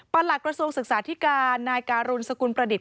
หลักกระทรวงศึกษาธิการนายการุณสกุลประดิษฐ